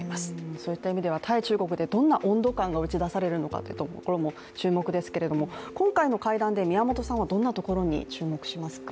そういった意味では対中国でどんな温度感が打ち出されるのかというところも注目ですけれども今回の会談で宮本さんはどんなところに注目しますか？